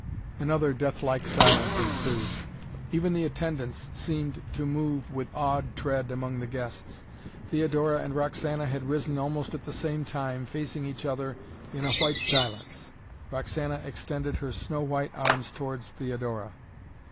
Another death like silence ensued. Even the attendants seemed to move with awed tread among the guests. Theodora and Roxana had risen almost at the same time, facing each other in a white silence. Roxana extended her snow white arms towards Theodora.